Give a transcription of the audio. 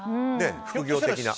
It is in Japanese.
副業的な。